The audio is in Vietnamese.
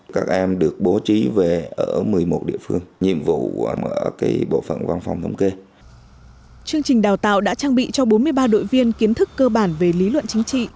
chương trình đào tạo đã trang bị cho bốn mươi ba đội viên kiến thức cơ bản về lý luận chính trị